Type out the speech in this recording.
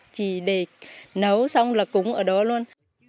chỉ để nấu xong là cúng ở đó luôn